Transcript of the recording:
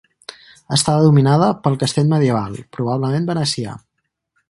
Està dominada pel castell medieval, probablement venecià.